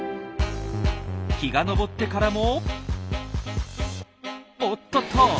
日が昇ってからもおっとっと。